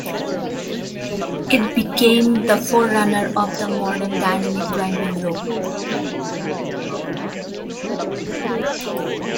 It became the forerunner of the modern dynamic climbing rope.